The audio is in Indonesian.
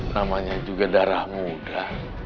namanya juga darah muda